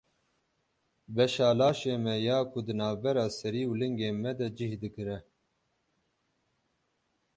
Beşa laşê me ya ku di navbera serî û lingên me de cih digire.